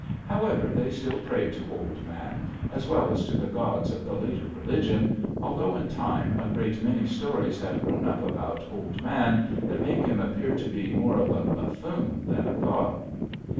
However, they still pray to Old Man, as well as to the gods of the later religion, although in time a great many stories have grown up about Old Man that make him appear to be more of a buffoon than a god.